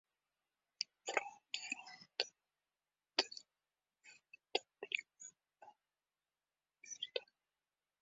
— Front, front deydi, — deydi bolalar, — frontda pulemyot beradi, avtomat beradi.